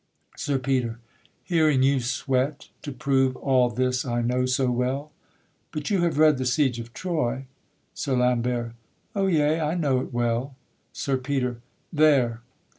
SIR PETER. Hearing you sweat to prove All this I know so well; but you have read The siege of Troy? SIR LAMBERT. O! yea, I know it well. SIR PETER. There!